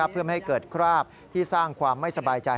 เพื่อไม่ให้เกิดคราบที่สร้างความไม่สบายใจ